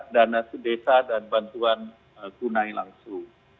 dana sudesa dan bantuan gunai langsung